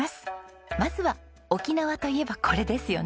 まずは沖縄といえばこれですよね。